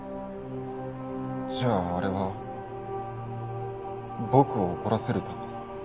じゃああれは僕を怒らせるために？